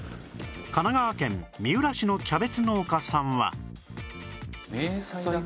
神奈川県三浦市のキャベツ農家さんは